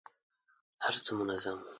هر څه منظم وو.